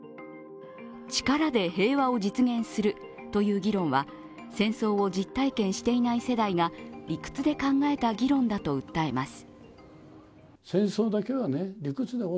力で平和を実現するという議論は戦争を実体験していない世代が理屈で考えた議論だと訴えます。